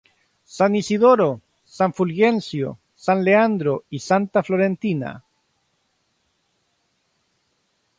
San Isidoro, San Fulgencio, San Leandro y Santa Florentina.